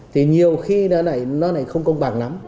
thì nhiều khi đó này nó này không công bằng lắm